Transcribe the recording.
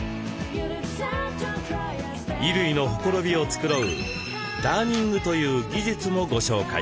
衣類のほころびを繕う「ダーニング」という技術もご紹介。